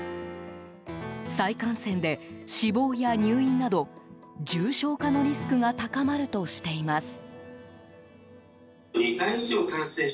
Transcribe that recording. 再感染で、死亡や入院など重症化のリスクが高まるとしています。